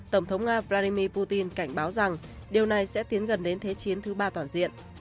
tổng thống nga vladimir putin cảnh báo rằng điều này sẽ tiến gần đến thế chiến thứ ba toàn diện